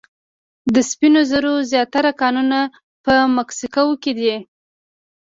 د سپینو زرو زیاتره کانونه په مکسیکو کې دي.